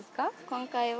今回は。